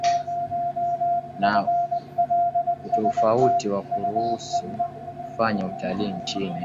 na utofauti na kuruhusu kufanya utalii nchini